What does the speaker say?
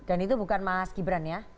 dan itu bukan mas gibran ya